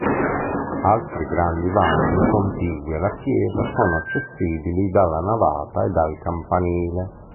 Altri grandi vani contigui alla chiesa sono accessibili dalla navata e dal campanile.